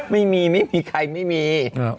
ไม่มีใครไม่มี